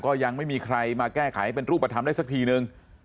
ยังไม่มีใครมาแก้ไขเป็นรูปธรรมได้สักทีนึง